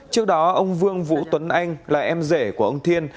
trước đó ông vương vũ tuấn anh là em rể của ông thiên